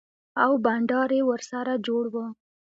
او بنډار يې ورسره جوړ و.